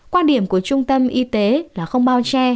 quan điểm của trung tâm y tế là không bao che